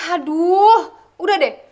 aduh udah deh